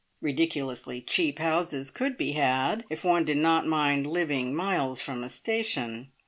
Ridiculously cheap houses could be had, if one did not mind living miles from a station.